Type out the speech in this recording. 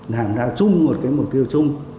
làm ra chung một cái mục tiêu chung